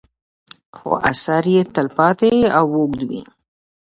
خو اثر یې تل پاتې او اوږد وي.